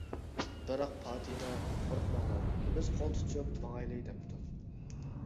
بىراق پاتىمە: - قورقماڭلار، بىز قول تۇتۇشۇپ ماڭايلى، - دەپتۇ.